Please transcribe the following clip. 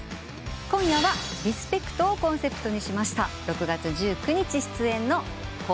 今夜はリスペクトをコンセプトにしました６月１９日出演のＣｏｄｙ・Ｌｅｅ。